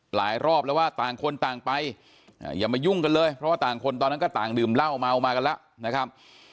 รอบแล้วว่าต่างคนต่างไปอย่ามายุ่งกันเลยเพราะว่าต่างคนตอนนั้นก็ต่างดื่มเหล้าเมามากันแล้วนะครับ